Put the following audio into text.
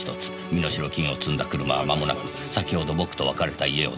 身代金を積んだ車はまもなく先ほど僕と別れた家を出ます」